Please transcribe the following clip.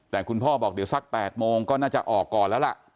แต่คุณพ่อบอกเดี๋ยวสัก๘โมงก็น่าจะออกก่อนแล้วล่ะ